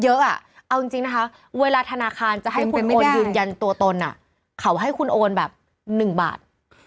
เอาจริงนะคะเวลาธนาคารจะให้คุณโอนยืนยันตัวตนเขาให้คุณโอนแบบ๑บาท